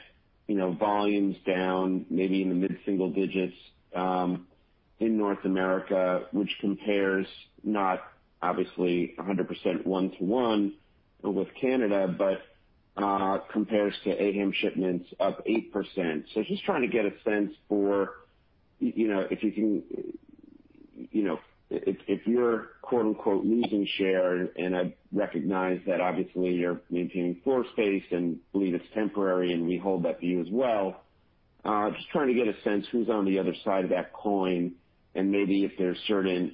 volumes down maybe in the mid-single digits, in North America, which compares not obviously 100%, 1:1 with Canada, but compares to AHAM shipments up 8%. Just trying to get a sense for if you're "losing share," and I recognize that obviously you're maintaining floor space and believe it's temporary and we hold that view as well. Just trying to get a sense who's on the other side of that coin and maybe if there's certain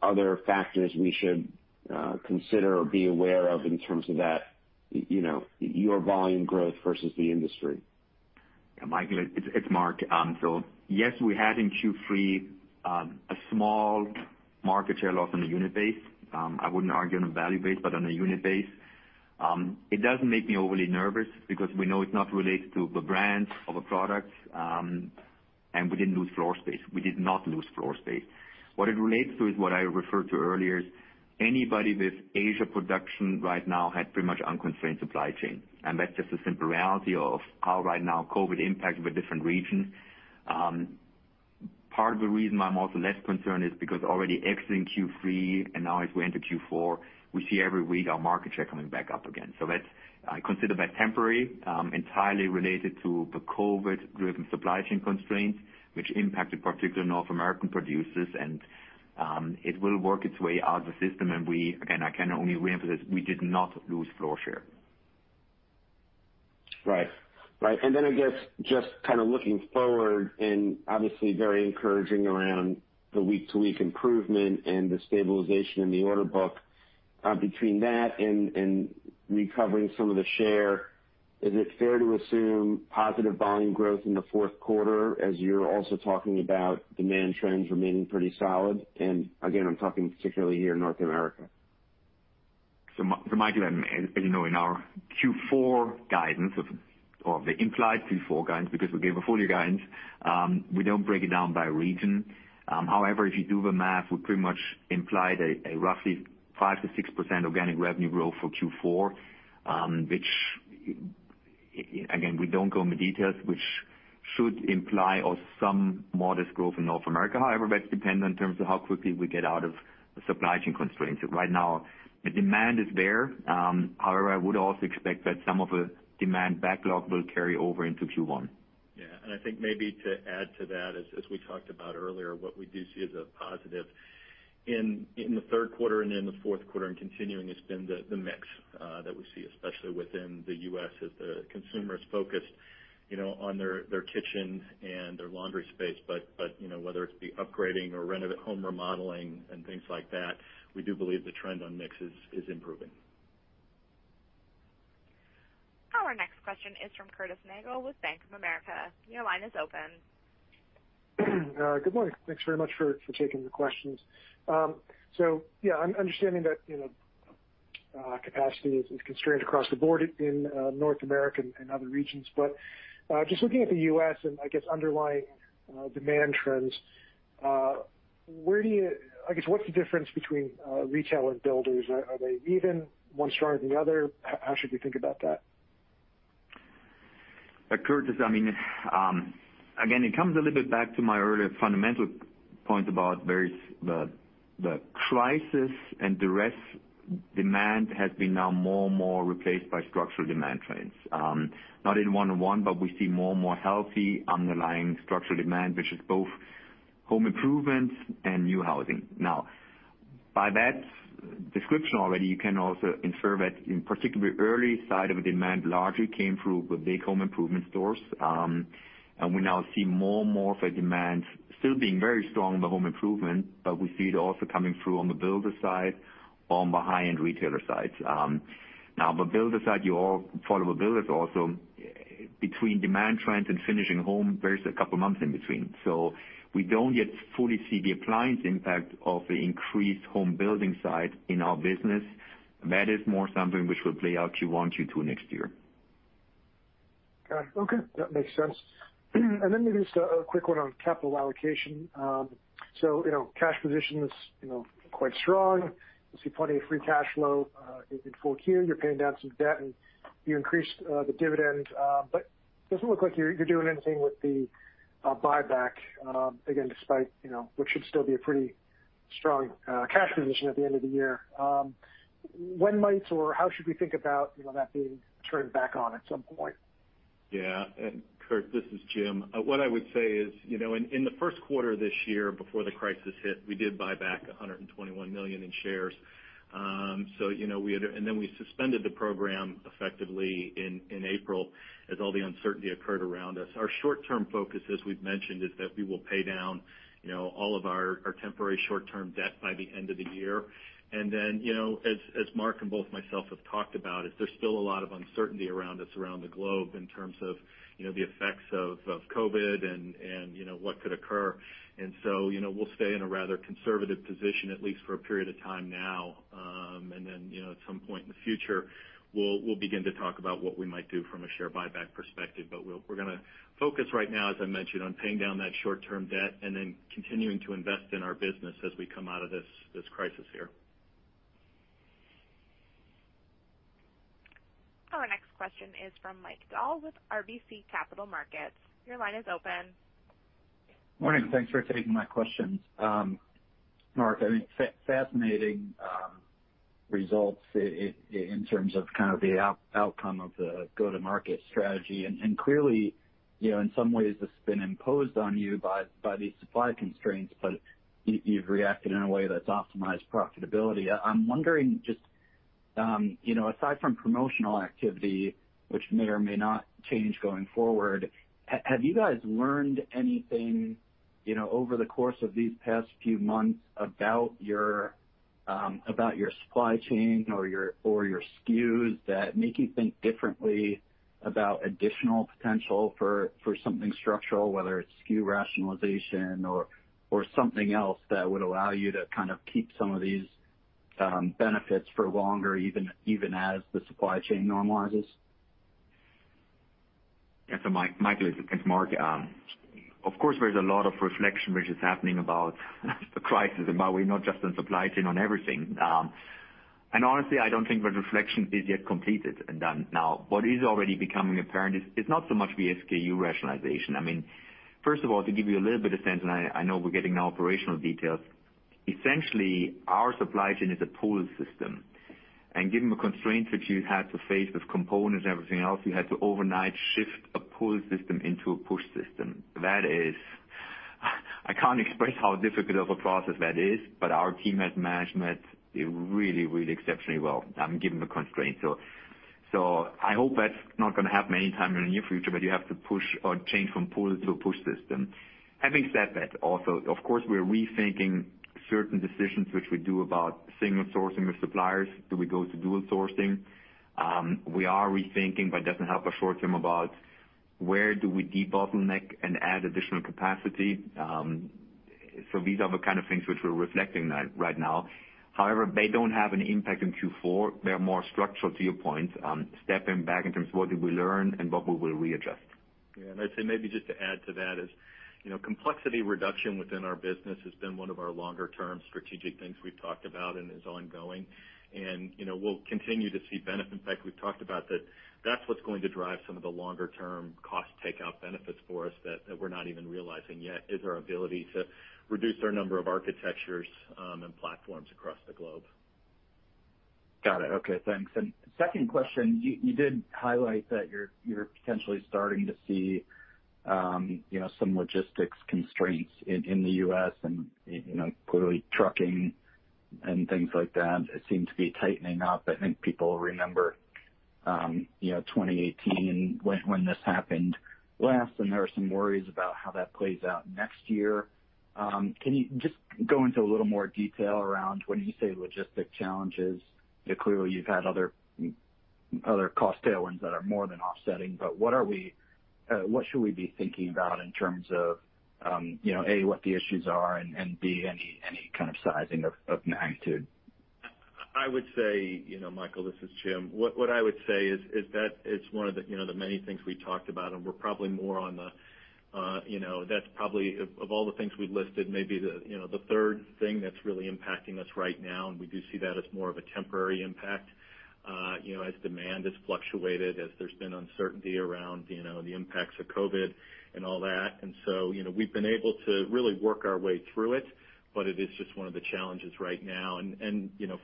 other factors we should consider or be aware of in terms of that, your volume growth versus the industry. Michael, it's Marc. Yes, we had in Q3 a small market share loss on a unit base. I wouldn't argue on a value base, but on a unit base. It doesn't make me overly nervous because we know it's not related to the brands of a product, and we didn't lose floor space. We did not lose floor space. What it relates to is what I referred to earlier, is anybody with Asia production right now had pretty much unconstrained supply chain. That's just the simple reality of how right now COVID impacted the different regions. Part of the reason why I'm also less concerned is because already exiting Q3, and now as we enter Q4, we see every week our market share coming back up again. I consider that temporary, entirely related to the COVID-driven supply chain constraints, which impacted particularly North American producers. It will work its way out the system, and we, again, I can only reemphasize, we did not lose floor share. Right. I guess just looking forward and obviously very encouraging around the week-to-week improvement and the stabilization in the order book. Between that and recovering some of the share, is it fair to assume positive volume growth in the fourth quarter as you're also talking about demand trends remaining pretty solid? Again, I'm talking particularly here in North America. Michael, as you know, in our Q4 guidance of, or the implied Q4 guidance, because we gave a full-year guidance, we don't break it down by region. If you do the math, we pretty much implied a roughly 5%-6% organic revenue growth for Q4, which, again, we don't go in the details, which should imply or some modest growth in North America. That's dependent in terms of how quickly we get out of the supply chain constraints. Right now, the demand is there. I would also expect that some of the demand backlog will carry over into Q1. Yeah. I think maybe to add to that, as we talked about earlier, what we do see as a positive in the third quarter and in the fourth quarter and continuing, has been the mix that we see, especially within the U.S., as the consumer is focused on their kitchen and their laundry space. Whether it be upgrading or home remodeling and things like that, we do believe the trend on mix is improving. Our next question is from Curtis Nagle with Bank of America. Your line is open. Good morning. Thanks very much for taking the questions. Yeah, I'm understanding that capacity is constrained across the board in North America and other regions. Just looking at the U.S. and I guess underlying demand trends, I guess, what's the difference between retail and builders? Are they even? One stronger than the other? How should we think about that? Curtis, again, it comes a little bit back to my earlier fundamental point about the crisis and duress demand has been now more and more replaced by structural demand trends. Not in one-on-one, but we see more and more healthy underlying structural demand, which is both home improvements and new housing. By that description already, you can also infer that in particular, the early side of the demand largely came through the big home improvement stores. We now see more and more of a demand still being very strong in the home improvement, but we see it also coming through on the builder side, on the high-end retailer sides. The builder side, you all follow the builders also. Between demand trends and finishing a home, there's a couple of months in between. We don't yet fully see the appliance impact of the increased home building side in our business. That is more something which will play out Q1, Q2 next year. Okay. That makes sense. Maybe just a quick one on capital allocation. Cash position is quite strong. We see plenty of free cash flow in 4Q. You're paying down some debt and you increased the dividend. Doesn't look like you're doing anything with the buyback, again, despite what should still be a pretty strong cash position at the end of the year. When might or how should we think about that being turned back on at some point? Curt, this is Jim. What I would say is, in the first quarter of this year before the crisis hit, we did buy back $121 million in shares. We suspended the program effectively in April as all the uncertainty occurred around us. Our short-term focus, as we've mentioned, is that we will pay down all of our temporary short-term debt by the end of the year. As Marc and both myself have talked about, is there's still a lot of uncertainty around us around the globe in terms of the effects of COVID and what could occur. We'll stay in a rather conservative position, at least for a period of time now. At some point in the future, we'll begin to talk about what we might do from a share buyback perspective. We're going to focus right now, as I mentioned, on paying down that short-term debt and then continuing to invest in our business as we come out of this crisis here. Our next question is from Mike Dahl with RBC Capital Markets. Your line is open. Morning. Thanks for taking my questions. Marc, I think fascinating results in terms of kind of the outcome of the go-to-market strategy. Clearly, in some ways, this has been imposed on you by these supply constraints, but you've reacted in a way that's optimized profitability. I'm wondering just, aside from promotional activity, which may or may not change going forward, have you guys learned anything over the course of these past few months about your- About your supply chain or your SKUs that make you think differently about additional potential for something structural, whether it's SKU rationalization or something else that would allow you to keep some of these benefits for longer, even as the supply chain normalizes? Mike, this is Marc. Of course, there's a lot of reflection which is happening about the crisis and about we're not just on supply chain, on everything. Honestly, I don't think the reflection is yet completed and done. What is already becoming apparent is, it's not so much the SKU rationalization. First of all, to give you a little bit of sense, I know we're getting now operational details. Essentially, our supply chain is a pull system. Given the constraints which you had to face with components and everything else, you had to overnight shift a pull system into a push system. I can't express how difficult of a process that is, our team has managed it really exceptionally well, given the constraints. I hope that's not going to happen anytime in the near future, where you have to push or change from pull to a push system. Having said that, also, of course, we are rethinking certain decisions which we do about single sourcing with suppliers. Do we go to dual sourcing? We are rethinking, it doesn't help us short term about where do we debottleneck and add additional capacity. These are the kind of things which we're reflecting right now. However, they don't have an impact in Q4. They're more structural to your point, stepping back in terms of what did we learn and what we will readjust. Yeah. I'd say maybe just to add to that, complexity reduction within our business has been one of our longer-term strategic things we've talked about and is ongoing. We'll continue to see benefit. In fact, we've talked about that that's what's going to drive some of the longer-term cost takeout benefits for us that we're not even realizing yet, is our ability to reduce our number of architectures and platforms across the globe. Got it. Okay, thanks. Second question, you did highlight that you're potentially starting to see some logistics constraints in the U.S. and clearly trucking and things like that seem to be tightening up. I think people remember 2018 when this happened last, and there are some worries about how that plays out next year. Can you just go into a little more detail around when you say logistic challenges? Clearly, you've had other cost tailwinds that are more than offsetting, what should we be thinking about in terms of, A, what the issues are, and B, any kind of sizing of magnitude? I would say, Michael, this is Jim. What I would say is that it's one of the many things we talked about, and that's probably, of all the things we listed, maybe the third thing that's really impacting us right now. We do see that as more of a temporary impact as demand has fluctuated, as there's been uncertainty around the impacts of COVID and all that. We've been able to really work our way through it, but it is just one of the challenges right now.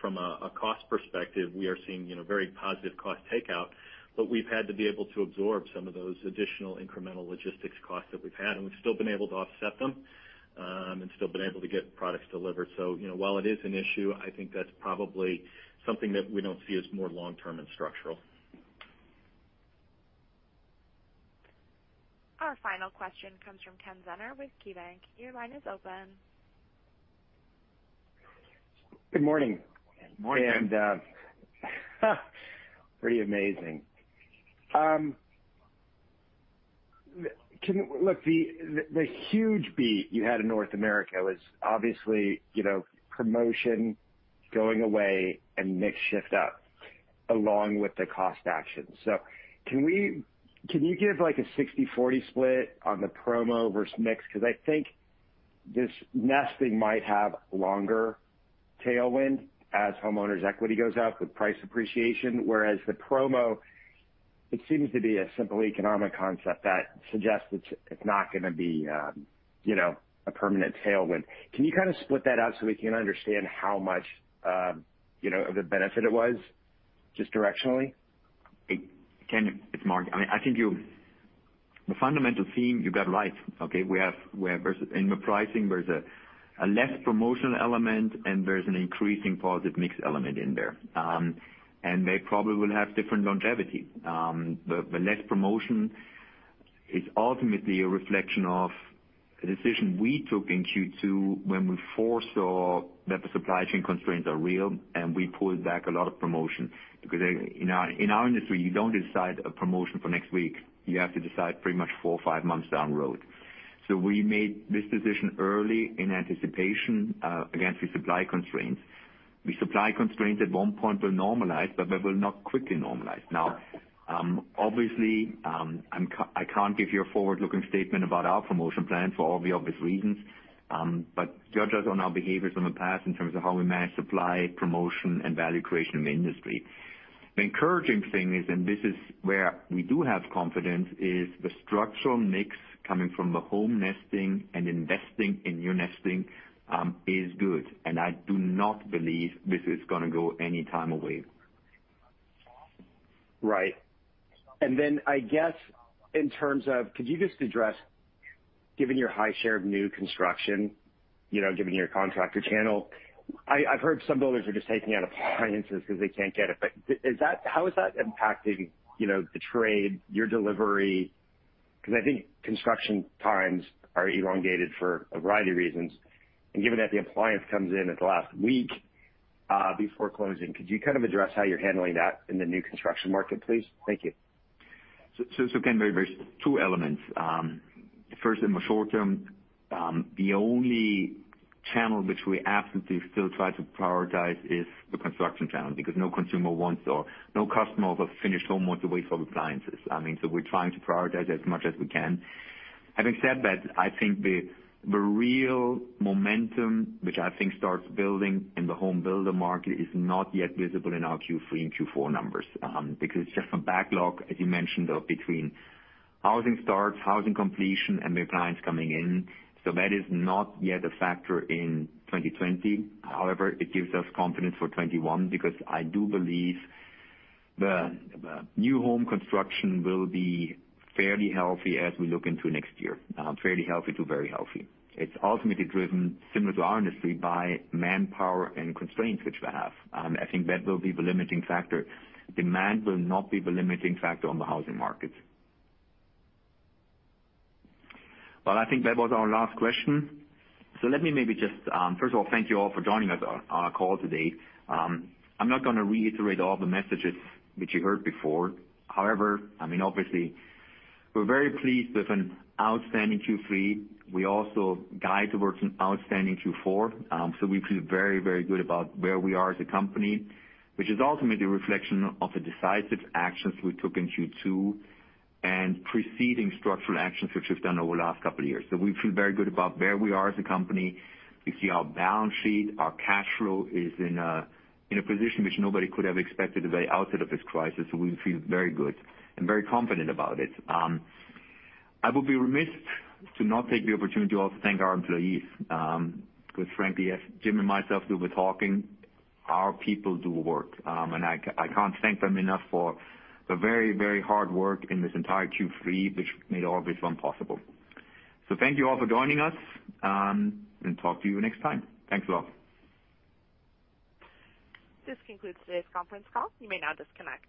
From a cost perspective, we are seeing very positive cost takeout, but we've had to be able to absorb some of those additional incremental logistics costs that we've had, and we've still been able to offset them, and still been able to get products delivered. While it is an issue, I think that's probably something that we don't see as more long-term and structural. Our final question comes from Ken Zener with KeyBanc. Your line is open. Good morning. Morning, Ken. Pretty amazing. Look, the huge beat you had in North America was obviously promotion going away and mix shift up along with the cost action. Can you give a 60/40 split on the promo versus mix? Because I think this nesting might have longer tailwind as homeowners' equity goes up with price appreciation, whereas the promo, it seems to be a simple economic concept that suggests it's not going to be a permanent tailwind. Can you split that out so we can understand how much of a benefit it was, just directionally? Ken, it's Marc. The fundamental theme you got right, okay? In the pricing, there's a less promotional element and there's an increasing positive mix element in there. They probably will have different longevity. The less promotion is ultimately a reflection of a decision we took in Q2 when we foresaw that the supply chain constraints are real, and we pulled back a lot of promotion. Because in our industry, you don't decide a promotion for next week. You have to decide pretty much four or five months down the road. We made this decision early in anticipation against the supply constraints. The supply constraints at one point will normalize, but they will not quickly normalize. Now, obviously, I can't give you a forward-looking statement about our promotion plan for all the obvious reasons. Judge us on our behaviors from the past in terms of how we manage supply, promotion, and value creation in the industry. The encouraging thing is, and this is where we do have confidence, is the structural mix coming from the home nesting and investing in new nesting, is good. I do not believe this is going to go anytime away. Right. I guess, could you just address, given your high share of new construction, given your contractor channel, I've heard some builders are just taking out appliances because they can't get it. How is that impacting the trade, your delivery? I think construction times are elongated for a variety of reasons, and given that the appliance comes in at the last week before closing, could you kind of address how you're handling that in the new construction market, please? Thank you. Again, two elements. First, in the short term, the only channel which we actively still try to prioritize is the construction channel, because no consumer wants or no customer of a finished home wants to wait for the appliances. We're trying to prioritize as much as we can. Having said that, I think the real momentum, which I think starts building in the home builder market, is not yet visible in our Q3 and Q4 numbers because it's just some backlog, as you mentioned, though, between housing starts, housing completion, and the appliance coming in. That is not yet a factor in 2020. However, it gives us confidence for 2021 because I do believe the new home construction will be fairly healthy as we look into next year. Fairly healthy to very healthy. It's ultimately driven, similar to our industry, by manpower and constraints which we have. I think that will be the limiting factor. Demand will not be the limiting factor on the housing market. Well, I think that was our last question. Let me maybe just, first of all, thank you all for joining us on our call today. I'm not going to reiterate all the messages which you heard before. However, obviously, we're very pleased with an outstanding Q3. We also guide towards an outstanding Q4. We feel very, very good about where we are as a company, which is ultimately a reflection of the decisive actions we took in Q2 and preceding structural actions which we've done over the last couple of years. We feel very good about where we are as a company. We see our balance sheet, our cash flow is in a position which nobody could have expected at the outset of this crisis, so we feel very good and very confident about it. I would be remiss to not take the opportunity to also thank our employees because frankly, as Jim and myself do the talking, our people do the work. I can't thank them enough for the very, very hard work in this entire Q3, which made all of this one possible. Thank you all for joining us, and talk to you next time. Thanks a lot. This concludes today's conference call. You may now disconnect.